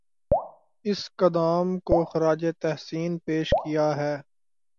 اس قدام کو خراج تحسین پیش کیا ہے